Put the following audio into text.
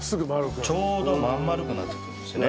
ちょうど真ん丸くなってくるんですよね。